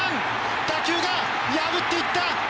打球が破っていった！